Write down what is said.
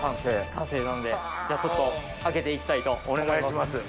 完成なんでじゃちょっとあけていきたいと思います。